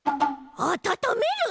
あたためる！？